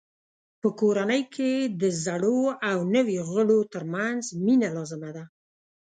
په کورنۍ کې د زړو او نویو غړو ترمنځ مینه لازمه ده.